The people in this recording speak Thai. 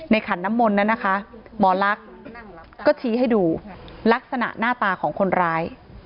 ขันน้ำมนต์นั้นนะคะหมอลักษณ์ก็ชี้ให้ดูลักษณะหน้าตาของคนร้าย